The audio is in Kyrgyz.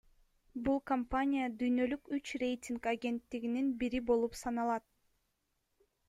Бул компания дүйнөлүк үч рейтинг агенттигинин бири болуп саналат.